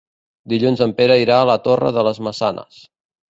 Dilluns en Pere irà a la Torre de les Maçanes.